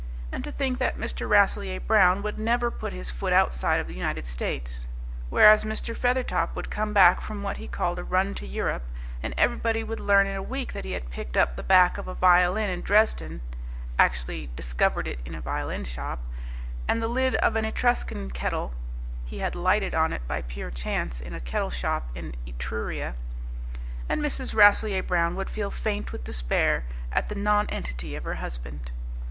And to think that Mr. Rasselyer Brown would never put his foot outside of the United States! Whereas Mr. Feathertop would come back from what he called a run to Europe, and everybody would learn in a week that he had picked up the back of a violin in Dresden (actually discovered it in a violin shop), and the lid of an Etruscan kettle (he had lighted on it, by pure chance, in a kettle shop in Etruria), and Mrs. Rasselyer Brown would feel faint with despair at the nonentity of her husband.